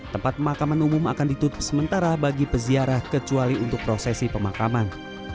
tempat pemakaman umum akan ditutup sementara bagi peziarah kecuali untuk prosesi pemakaman